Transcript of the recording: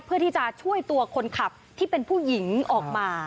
เพื่อที่จะช่วยตัวคนขับที่เป็นผู้หญิงออกมา